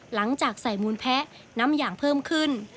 หลังจากใส่มูลแพะน้ำอย่างเพิ่มขึ้น